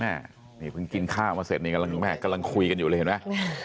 นี่เพิ่งกินข้าวมาเสร็จนี่กำลังแม่กำลังคุยกันอยู่เลยเห็นไหม